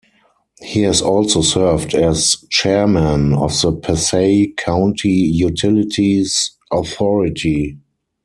He has also served as Chairman of the Passaic County Utilities Authority.